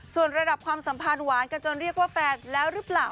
ส่วนระดับความสัมพันธ์หวานกันจนเรียกว่าแฟนแล้วหรือเปล่า